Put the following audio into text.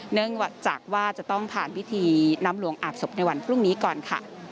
เนื่องจากว่าจะต้องผ่านพิธีน้ำหลวงอาบศพในวันพรุ่งนี้ก่อนค่ะ